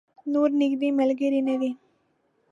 نور نږدې ملګری نه دی.